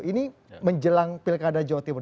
ini menjelang pilkada jawa timur